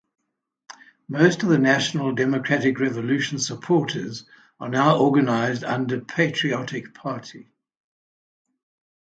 Most of the National Democratic Revolution supporters are now organized under Patriotic Party.